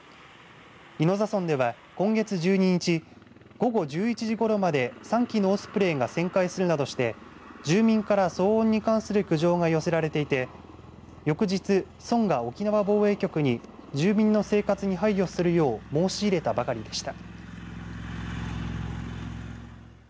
宜野座村では今月１２日午後１１時ごろまで３機のオスプレイが旋回するなどして住民から騒音に関する苦情が寄せられていて翌日、村が沖縄防衛局に住民の生活に配慮するよう申し入れたばかりでした。